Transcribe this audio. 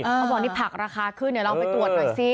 เขาบอกนี่ผักราคาขึ้นเดี๋ยวลองไปตรวจหน่อยสิ